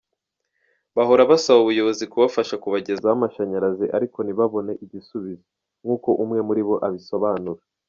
Bahora basaba ubuyobozi kubafasha kubagezaho amashanyarazi ariko ntibabone igisubizo; nkuko umwe muri bo abisobanura.